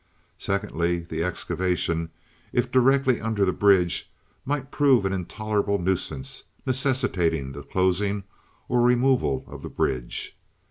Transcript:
Secondly, the excavation, if directly under the bridge, might prove an intolerable nuisance, necessitating the closing or removal of the bridge.